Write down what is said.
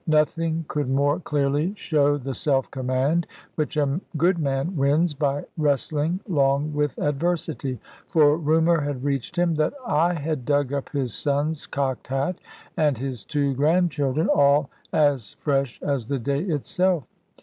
Nothing could more clearly show the self command which a good man wins by wrestling long with adversity. For rumour had reached him that I had dug up his son's cocked hat, and his two grandchildren, all as fresh as the day itself.